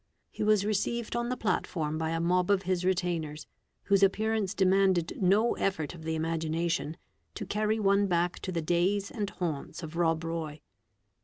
He was received on the platform by mob of his retainers, whose appearance demanded no effort of the imagi at: on to carry one back to the days and haunts of Rob Roy.